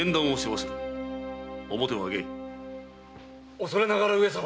おそれながら上様。